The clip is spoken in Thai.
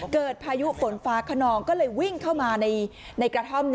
พายุฝนฟ้าขนองก็เลยวิ่งเข้ามาในกระท่อม